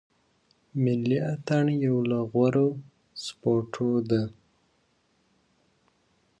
ملي اټن یو له غوره سپورټو دی.